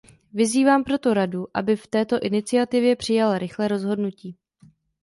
Vyzývám proto Radu, aby v této iniciativě přijala rychlé rozhodnutí.